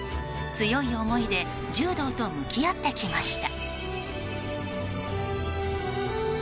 強い思いで柔道と向き合ってきました。